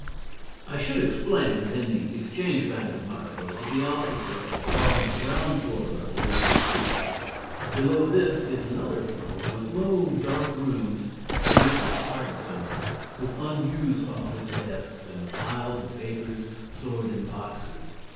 I should explain that in the Exchange Bank of Mariposa the offices are on the ground floor level with the street. Below this is another floor with low dark rooms paved with flagstones, with unused office desks and with piles of papers stored in boxes.